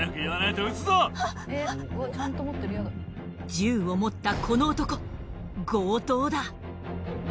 銃を持ったこの男強盗だ。